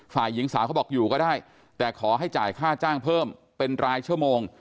ฝ่ายหญิงสาวเขาบอกอยู่ก็ได้แต่ขอให้จ่ายค่าจ้างเพิ่มเป็นรายชั่วโมง